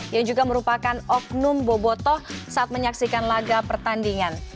yang juga merupakan oknum bobotoh saat menyaksikan laga pertandingan